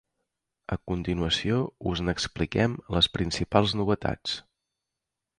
A continuació us n’expliquem les principals novetats.